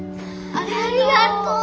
ありがとう！